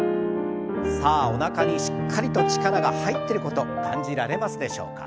さあおなかにしっかりと力が入ってること感じられますでしょうか。